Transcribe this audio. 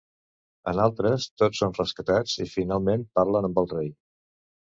En altres, tots són rescatats i finalment parlen amb el Rei.